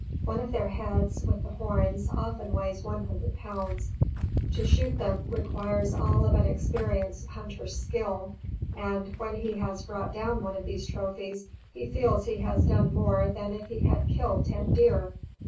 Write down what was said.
One of their heads, with the horns, often weighs one hundred pounds. To shoot them, requires all of an experienced hunter's skill, and, when he has brought down one of these trophies, he feels he has done more than if he had killed ten deer.